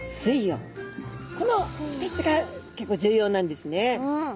この２つが結構重要なんですね。